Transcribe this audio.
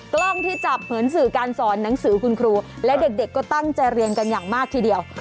กล้องที่จับเหมือนสื่อการสอนหนังสือคุณครูและเด็กก็ตั้งใจเรียนกันอย่างมากทีเดียว